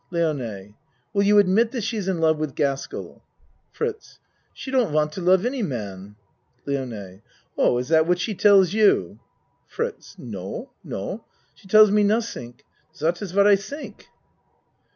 LIONE Will you admit that she's in love with Gaskell? FRITZ She don't want to love any man. LIONE Oh, is that what she tells you? FRITZ No no she tells me nodding. Dat iss what I tink.